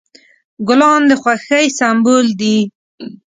ګلان د خوښۍ سمبول دي.